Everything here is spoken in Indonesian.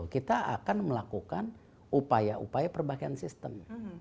kita akan melakukan upaya upaya perbaikan sistem